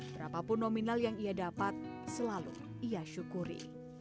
berapapun nominal yang ia dapat selalu ia syukuri